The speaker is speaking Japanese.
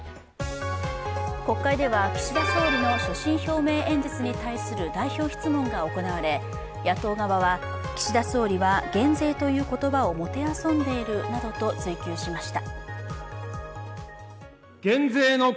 国会では、岸田総理の所信表明演説に対する代表質問が行われ野党側は、岸田総理は減税という言葉を弄んでいるなどと追及しました。